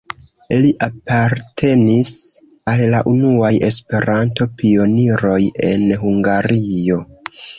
Li apartenis al la unuaj Esperanto-pioniroj en Hungario.